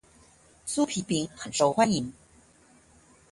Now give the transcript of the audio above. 酥皮餅很受歡迎